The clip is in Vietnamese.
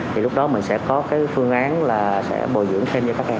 thì lúc đó mình sẽ có phương án bồi dưỡng thêm cho các em